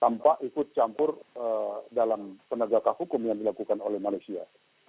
tanpa ikut campur dalam penegakan hukum yang dilakukan oleh malaysia